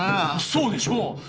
そうでしょ？ねえ？